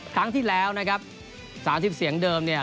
ครั้งที่แล้วนะครับ๓๐เสียงเดิมเนี่ย